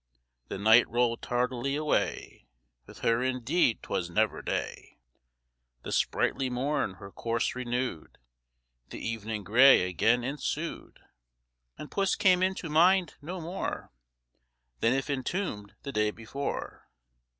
The night roll'd tardily away, (With her indeed 'twas never day,) The sprightly morn her course renew'd, The evening grey again ensued, And puss came into mind no more Than if entomb'd the day before.